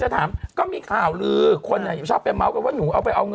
ทำยิ่ง